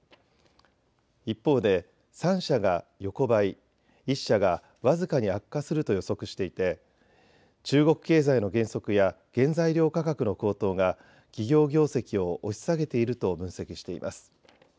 一方で３社が横ばい、１社が僅かに悪化すると予測していて中国経済の減速や原材料価格の高騰が企業業績を押し下げていると分析しています。